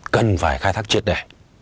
cần phải khai thác triệt đẻ